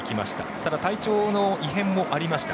ただ体調の異変もありました。